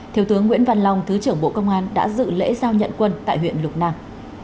thiếu tướng nguyễn văn long thứ trưởng bộ công an đã dự lễ giao nhận quân tại huyện lục nam